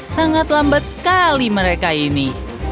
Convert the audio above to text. sangat lambat sekali mereka ini